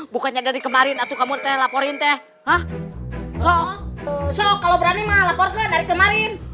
sok sok kalau berani mah laporkan dari kemarin